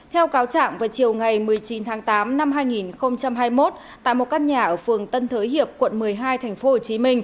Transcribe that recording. theo cáo trạng vào chiều ngày một mươi chín tháng tám năm hai nghìn hai mươi một tại một căn nhà ở phường tân thới hiệp quận một mươi hai tp hcm